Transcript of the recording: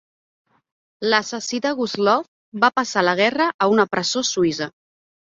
L"assassí de Gustloff va passar la guerra a una presó suïssa.